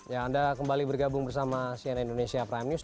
ya anda kembali bergabung bersama cnn indonesia prime news